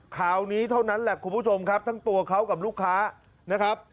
คราวนี้เท่านั้นแหละคุณผู้ชมครับทั้งตัวเขากับลูกค้านะครับ